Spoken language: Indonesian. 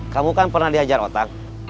kamu kan pernah dihajar otak